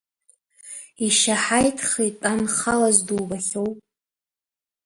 Ишьаҳаиҭха итәанхалаз дубахьоу?